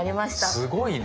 すごいね。